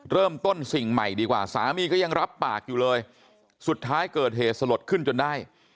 เริ่มต้นสิ่งใหม่ดีกว่าสามีก็ยังรับปากอยู่เลยสุดท้ายเกิดเหตุสลดขึ้นจนได้